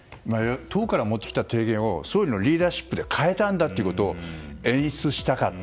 党から持ってきた提言を総理のリーダーシップで変えたんだというのを演出したかった。